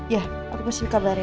ya aku pasti kabarin